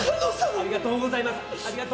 ありがとうございます。